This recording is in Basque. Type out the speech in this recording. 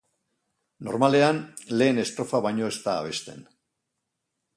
Normalean, lehen estrofa baino ez da abesten.